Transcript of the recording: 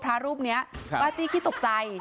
พระรูปนี้ป้าจี้ขี้ตกใจ